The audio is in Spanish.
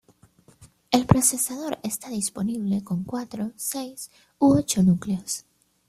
El procesador está disponible con cuatro, seis u ocho núcleos.